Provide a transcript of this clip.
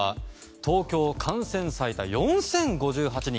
東京、感染最多４０５８人。